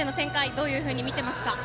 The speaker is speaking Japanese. どういうふうに見ていますか？